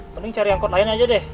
penting cari angkot lain aja deh